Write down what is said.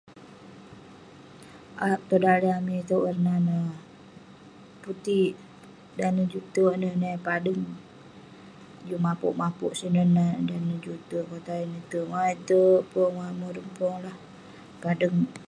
Aap tong daleh amik itouk warna neh putik, dan neh juk terk ineh neh eh padeng. Juk mapouk-mapouk sineh nat dan neh juk terk. Mauk eh terk pong, morem pong lah ; padeng.